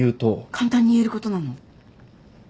簡単に言えることなの？